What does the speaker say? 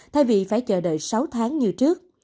thay vì phải chờ đợi sáu tháng như trước